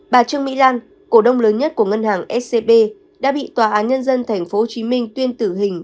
bà trương mỹ lan cổ đông lớn nhất của ngân hàng scb đã bị tòa án nhân dân tp hcm tuyên tử hình